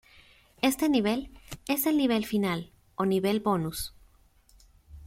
Este nivel es el nivel final, o nivel bonus.